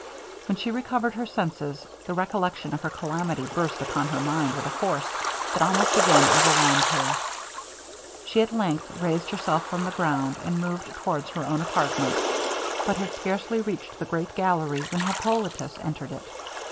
When she recovered her senses, the recollection of her calamity burst upon her mind with a force that almost again overwhelmed her. She at length raised herself from the ground, and moved towards her own apartment, but had scarcely reached the great gallery, when Hippolitus entered it.